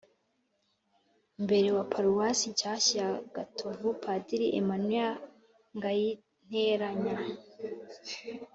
mbere wa paruwasi nshyashya ya gatovu, padiri emmanuel ngayinteranya.